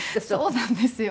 そうなんですよ。